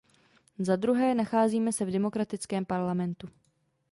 Zadruhé nacházíme se v demokratickém Parlamentu.